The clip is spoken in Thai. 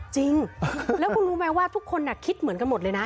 จริงแล้วคุณรู้ไหมว่าทุกคนคิดเหมือนกันหมดเลยนะ